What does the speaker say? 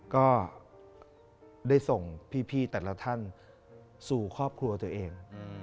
ก็ได้ส่งพี่แต่ละท่านสู่ครอบครัวตัวเอง